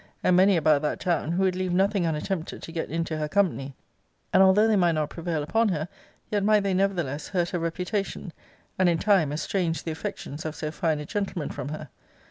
] and many about that town, who would leave nothing unattempted to get into her company; and although they might not prevail upon her, yet might they nevertheless hurt her reputation; and, in time, estrange the affections of so fine a gentleman from her.